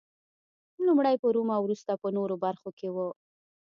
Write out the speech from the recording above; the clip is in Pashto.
لومړی په روم او وروسته په نورو برخو کې و